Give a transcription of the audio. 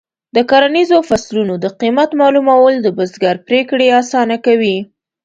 د کرنیزو فصلونو د قیمت معلومول د بزګر پریکړې اسانه کوي.